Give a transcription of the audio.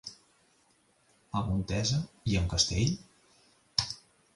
A Montesa hi ha un castell?